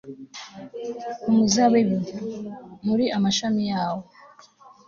umuzabibu, muri amashami yawo